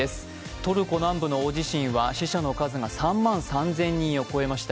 トルコ南部の大地震は死者の数が３万３０００人を超えました。